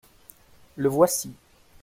—Le voici.